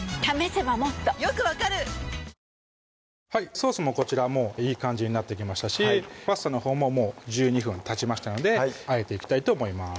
ソースもこちらもういい感じになってきましたしパスタのほうももう１２分たちましたのであえていきたいと思います